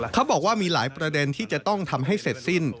เขาบอกว่ามีหลายประเด็นที่จะต้องทำให้เสร็จสิ้น